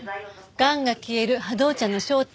『がんが消える波動茶の正体』。